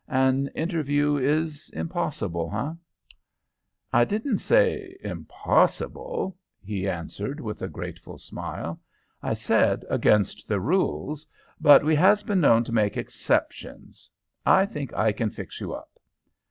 "An interview is impossible, eh?" "I didn't say impossible," he answered, with a grateful smile. "I said against the rules, but we has been known to make exceptions. I think I can fix you up."